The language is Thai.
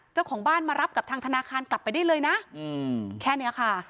เจ้าของบ้านมารับกับทางธนาคารกลับไปได้เลยนะแค่นี้ค่ะ